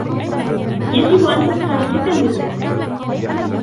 يجب أن تفخر جدا بابنتك.